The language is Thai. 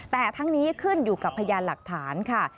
แต่ทั้งนี้ขึ้นอยู่กับพยานหลักฐานค่ะ